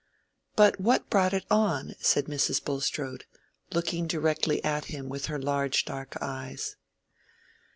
"But what brought it on?" said Mrs. Bulstrode, looking directly at him with her large dark eyes.